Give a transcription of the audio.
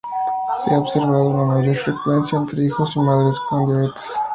Se ha observado una mayor frecuencia entre hijos y madres con diabetes.